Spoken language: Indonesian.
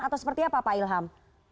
atau seperti apa pak ilham